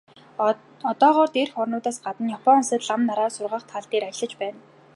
Одоогоор дээрх орнуудаас гадна Япон улсад лам нараа сургах тал дээр ажиллаж байна.